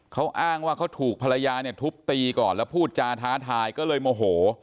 เขาอ้างว่าเขาถูกภรรยาเนี่ยทุบตีก่อนแล้วพูดจาท้าทายก็เลยโมโห